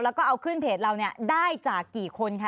แล้วก็เอาขึ้นเพจเราเนี่ยได้จากกี่คนคะ